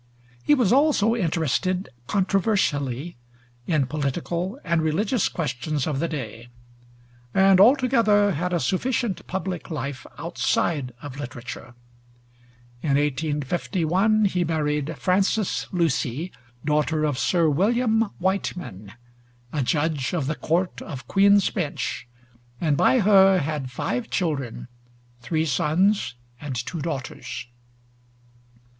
He was also interested controversially in political and religious questions of the day, and altogether had a sufficient public life outside of literature. In 1851 he married Frances Lucy, daughter of Sir William Wightman, a judge of the Court of Queen's Bench, and by her had five children, three sons and two daughters.